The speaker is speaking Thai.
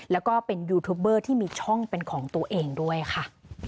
แล้วก็เป็นยูทูบเบอร์ที่มีช่องเป็นของตัวเองด้วยค่ะ